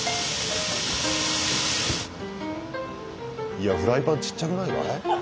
いやフライパンちっちゃくないかい？